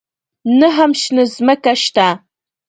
نه هم شنه ځمکه شته.